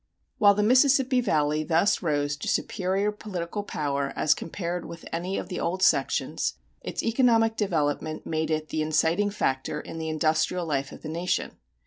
While the Mississippi Valley thus rose to superior political power as compared with any of the old sections, its economic development made it the inciting factor in the industrial life of the nation.